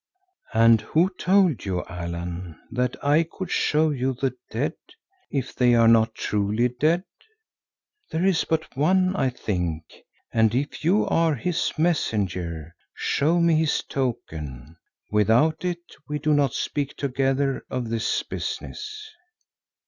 "And who told you, Allan, that I could show you the dead, if they are not truly dead? There is but one, I think, and if you are his messenger, show me his token. Without it we do not speak together of this business."